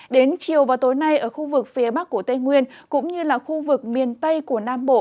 đến chiều và tối nay ở khu vực phía bắc của tây nguyên cũng như là khu vực miền tây của nam bộ